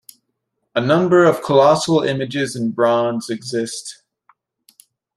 A number of colossal images in bronze exist.